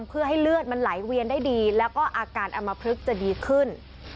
เพื่อให้เลือดมันไหลเวียนได้ดีแล้วก็อาการอำมพลึกจะดีขึ้น